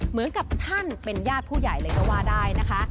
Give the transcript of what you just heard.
เหมือนกับท่านเป็นญาติผู้ใหญ่เลยก็ว่าได้นะคะ